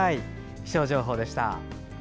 気象情報でした。